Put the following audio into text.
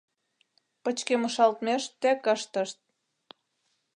Пычкемышалтмеш тек ыштышт.